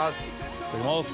いただきます！